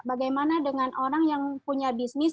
bagaimana dengan orang yang punya bisnis